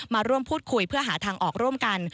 มาร่วมพูดคุยเพื่อหาทางออกร่วมกัน